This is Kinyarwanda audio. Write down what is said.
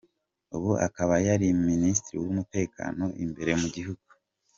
Ubu akaba yari minisitiri w’umutekano imbere mu gihugu.